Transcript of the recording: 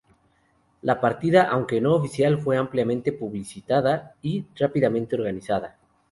La partida, aunque no oficial, fue ampliamente publicitada y rápidamente organizada.